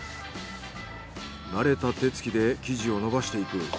慣れた手つきで生地を伸ばしていく。